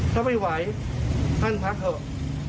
ถ้าไม่ไหวท่านพักเถอะ